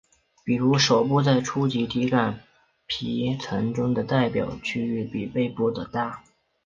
比如手部在初级体感皮层中的代表区域比背部的大。